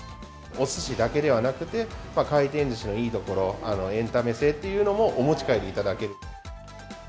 おすしだけではなくて、回転ずしのいいところ、エンタメ性っていうのもお持ち帰りいただける。